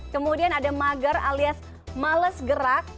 kemudian ada mager alias males gerak